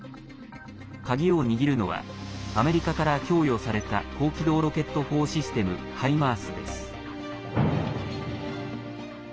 鍵を握るのはアメリカから供与された高機動ロケット砲システム「ハイマース」です。